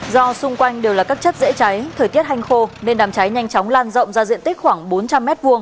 do xung quanh đều là các chất dễ cháy thời tiết hanh khô nên đám cháy nhanh chóng lan rộng ra diện tích khoảng bốn trăm linh m hai